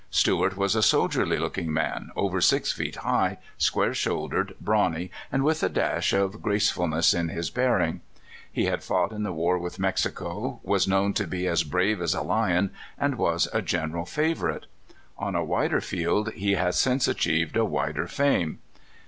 Stuart was a soldierly looking man, over six feet high, square shouldered, brawny, and with a dash of grace fulness in his bearing. He had fought in the war with Mexico, was known to be as brave as a lion, THE TRAGEDY AT ALGERINE. 97 and was a general favorite. On a wider field he has since achieved a wider fame.